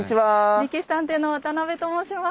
「歴史探偵」の渡邊と申します。